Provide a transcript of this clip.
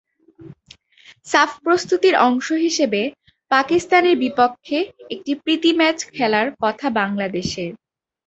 সাফ প্রস্তুতির অংশ হিসেবে পাকিস্তানের বিপক্ষে একটি প্রীতি ম্যাচ খেলার কথা বাংলাদেশের।